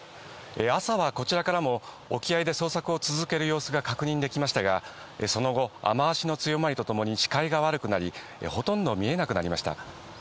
朝はこちらからも沖合で捜索を続ける様子が確認できましたが、その後、雨脚の強まりとともに視界が悪くなり、ほとんど見えなくなりました。